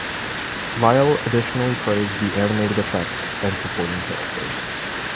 Lyle additionally praised the animated effects and supporting characters.